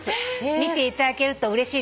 「見ていただけるとうれしいです」